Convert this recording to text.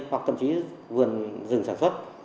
hoặc tầm trí vườn dừng sản xuất